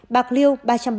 bạc liêu ba trăm ba mươi